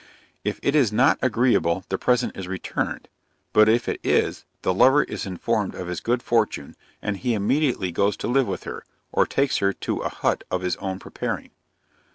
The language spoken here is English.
If it is not agreeable, the present is returned; but if it is, the lover is informed of his good fortune, and immediately goes to live with her, or takes her to a hut of his own preparing.